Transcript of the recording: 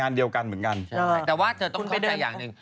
แต่ว่าต้องเข้าใจอย่างหนึ่ง